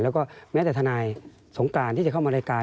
แล้วก็แม้แต่ทนายสงการที่จะเข้ามารายการ